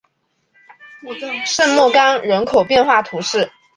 圣莫冈人口变化图示